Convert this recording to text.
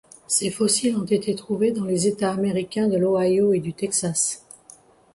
Ses fossiles ont été trouvés dans les états américains de l'Ohio et du Texas.